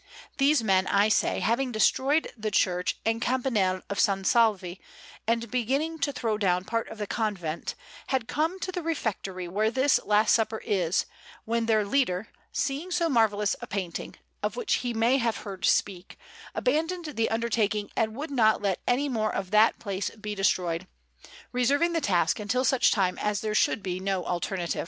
These men, I say, having destroyed the Church and Campanile of S. Salvi, and beginning to throw down part of the convent, had come to the refectory where this Last Supper is, when their leader, seeing so marvellous a painting, of which he may have heard speak, abandoned the undertaking and would not let any more of that place be destroyed, reserving the task until such time as there should be no alternative.